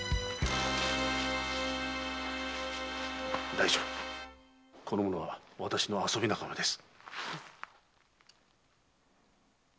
大丈夫この者は私の遊び仲間です。